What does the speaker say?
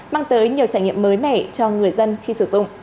mang tới nhiều trải nghiệm mới mẻ cho người dân khi sử dụng